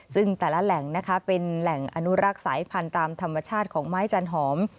ซึ่งแต่ละแหล่งนะคะเป็นแหล่งอนุรักษ์สายพันธุ์ตามธรรมชาติของไม้จันหอม